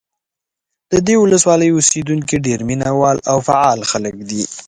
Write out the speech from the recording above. د دې ولسوالۍ اوسېدونکي ډېر مینه وال او فعال خلک دي.